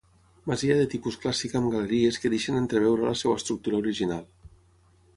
Masia de tipus clàssic amb galeries que deixen entreveure la seva estructura original.